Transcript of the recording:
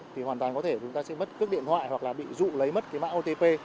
thì hoàn toàn có thể chúng ta sẽ mất cước điện thoại hoặc là bị dụ lấy mất cái mã otp